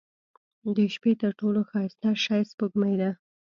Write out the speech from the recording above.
• د شپې تر ټولو ښایسته شی سپوږمۍ ده.